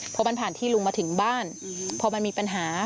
พอมันผ่านที่ลุงมาถึงบ้านพอมันมีปัญหา